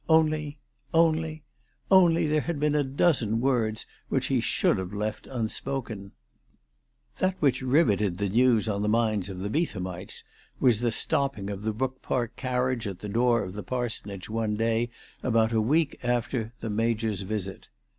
Only, only only, there had been a dozen words which he should have left unspoken ! That which riveted the news on the minds of the Beethamites was the stopping of the Brook Park car riage at the door of the parsonage one day about a week after the Major's visit.